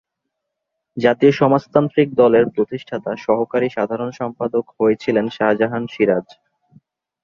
জাতীয় সমাজতান্ত্রিক দলের প্রতিষ্ঠাতা সহকারী সাধারণ সম্পাদক হয়েছিলেন শাহজাহান সিরাজ।